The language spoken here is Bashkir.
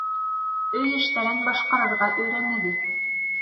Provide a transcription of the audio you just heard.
Өй эштәрен башҡарырға өйрәнегеҙ.